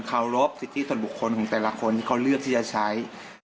เคารพสิทธิส่วนบุคคลของแต่ละคนที่เขาเลือกที่จะใช้